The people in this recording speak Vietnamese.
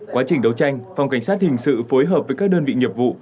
quá trình đấu tranh phòng cảnh sát hình sự phối hợp với các đơn vị nghiệp vụ